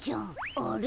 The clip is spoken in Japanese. あれ？